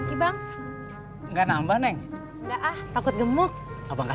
ibang enggak nambah neng enggak ah takut gemuk